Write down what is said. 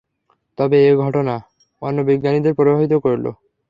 তবে এই ঘটনা অন্য বিজ্ঞানীদের প্রভাবিত করল।